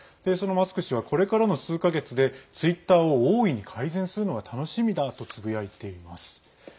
そのマスク氏はこれからの数か月でツイッターを大いに改善するのが楽しみだとつぶやいています。